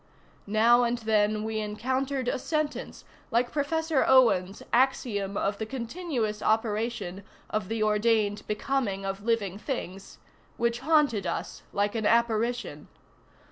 Now and then we encountered a sentence, like Professor Owen's "axiom of the continuous operation of the ordained becoming of living things," which haunted us like an apparition.